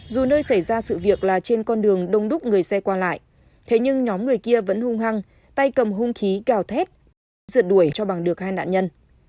dù nơi xảy ra sự việc là trên con đường đông đúc người xe qua lại thế nhưng nhóm người kia vẫn hung hăng tay cầm hung khí cào thét đã rượt đuổi cho bằng được hai nạn nhân